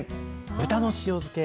豚の塩漬け。